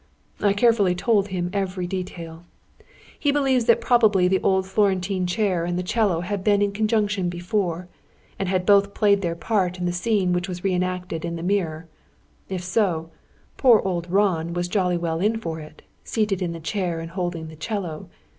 "I carefully told him every detail. He believes that probably the old Florentine chair and the 'cello had been in conjunction before, and had both played their part in the scene which was re acted in the mirror. If so, poor old Ron was jolly well in for it, seated in the chair, and holding the 'cello.